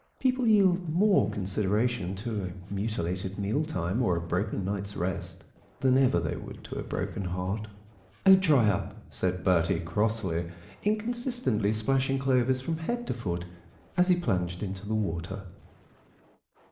People yield more consideration to a mutilated mealtime or a broken night's rest, than ever they would to a broken heart." "Oh, dry up," said Bertie crossly, inconsistently splashing Clovis from head to foot as he plunged into the water.